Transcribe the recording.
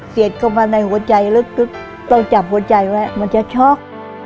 เข้ามาในหัวใจลึกต้องจับหัวใจไว้มันจะช็อก